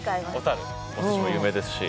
おすしも有名ですし。